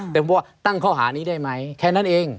แต่ผมบอกว่าตั้งข้อหานี้ได้ไหมแค่นั้นเอง